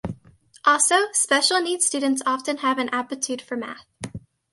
Also, special needs students often have an aptitude for math